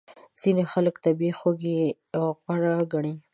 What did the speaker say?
ځینې خلک طبیعي خوږې غوره ګڼي.